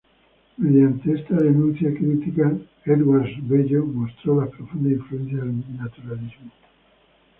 Mediante esta denuncia crítica, Edwards Bello mostró las profundas influencias del naturalismo.